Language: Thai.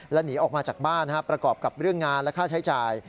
และหนีออกมาจากบ้านประกอบกับเรื่องงานและค่าใช้จ่าย